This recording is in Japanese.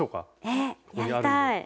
えっやりたい。